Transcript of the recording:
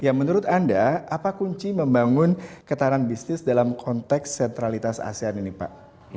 ya menurut anda apa kunci membangun ketahanan bisnis dalam konteks sentralitas asean ini pak